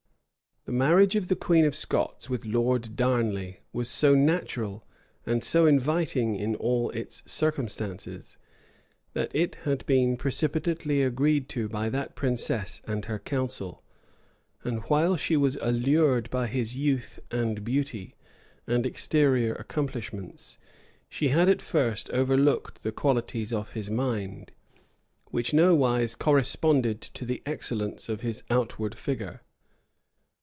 The marriage of the queen of Scots with Lord Darnley was so natural, and so inviting in all its circumstances, that it had been precipitately agreed to by that princess and her council; and while she was allured by his youth, and beauty, and exterior accomplishments, she had at first overlooked the qualities of his mind, which nowise corresponded to the excellence of his outward figure.